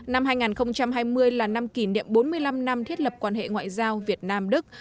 năm hai nghìn hai mươi là năm kỷ niệm bốn mươi năm năm thiết lập quan hệ ngoại giao việt nam đức